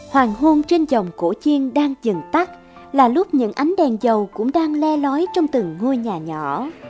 hoàng hôn trên dòng cổ chiên đang dừng tắt là lúc những ánh đèn dầu cũng đang le lói trong từng ngôi nhà nhỏ